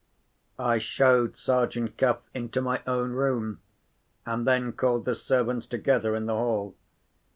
I showed Sergeant Cuff into my own room, and then called the servants together in the hall.